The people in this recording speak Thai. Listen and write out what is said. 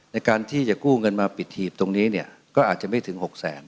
ในการที่จะกู้เงินมาปิดหีบตรงนี้เนี่ยก็อาจจะไม่ถึง๖แสน